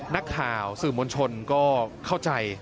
นักข่าวสื่อมวลชนก็เข้าใจ